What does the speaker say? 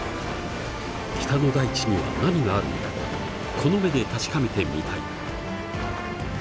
北の大地には何があるのだろうかこの目で確かめてみたい。